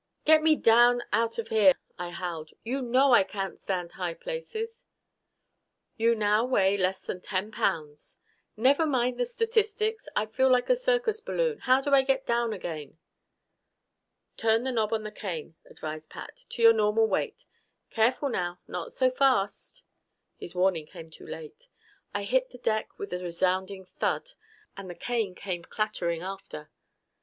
"Get me down out of here!" I howled. "You know I can't stand high places!" "You now weigh less than ten pounds " "Never mind the statistics. I feel like a circus balloon. How do I get down again?" "Turn the knob on the cane," advised Pat, "to your normal weight. Careful, now! Not so fast!" His warning came too late. I hit the deck with a resounding thud, and the cane came clattering after.